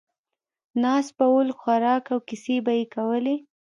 ناست به ول، خوراک او کیسې به یې کولې.